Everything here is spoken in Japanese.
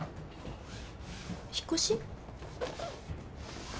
引っ越し？